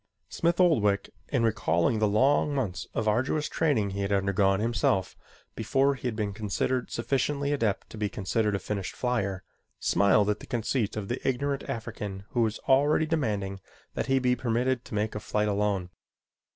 Smith Oldwick, in recalling the long months of arduous training he had undergone himself before he had been considered sufficiently adept to be considered a finished flier, smiled at the conceit of the ignorant African who was already demanding that he be permitted to make a flight alone.